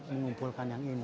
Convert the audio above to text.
mengumpulkan yang ini